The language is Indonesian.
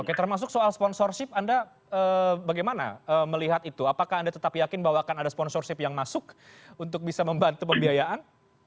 oke termasuk soal sponsorship anda bagaimana melihat itu apakah anda tetap yakin bahwa akan ada sponsorship yang masuk untuk bisa membantu pembiayaan